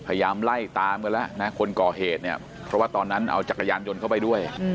พยายามไล่ตามกันแล้วนะคนก่อเหตุเนี่ยเพราะว่าตอนนั้นเอาจักรยานยนต์เข้าไปด้วย